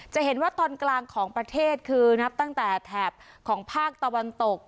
จะเห็นว่าตอนกลางของประเทศคือนับตั้งแต่แถบของภาคตะวันตก